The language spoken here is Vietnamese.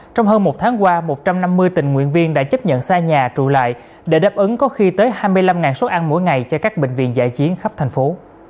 trong hơn một tháng qua một trăm năm mươi tình nguyện viên đã chấp nhận xa nhà trụ lại để đáp ứng có khi tới hai mươi năm số ăn mỗi ngày cho các bệnh viện giải chiến khắp thành phố